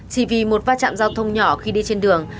chỉ vì một va chạm giao thông nhỏ khi đi trên đường